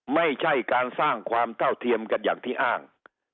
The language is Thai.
ไม่ใช่การสร้างความเท่าเทียมกันอย่างที่อ้าง